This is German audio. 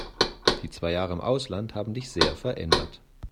Die zwei Jahre im Ausland haben dich sehr verändert.